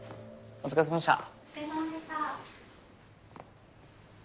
お疲れさまでした。